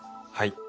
はい。